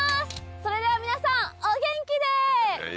それでは皆さんお元気で！